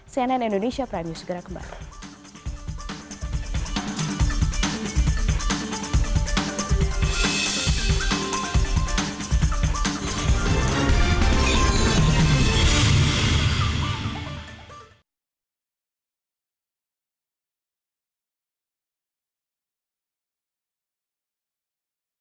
cnn indonesia prime news segera kembali